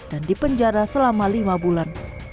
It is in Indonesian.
dipenjara selama lima bulan